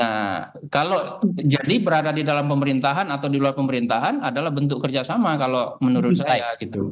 nah kalau jadi berada di dalam pemerintahan atau di luar pemerintahan adalah bentuk kerjasama kalau menurut saya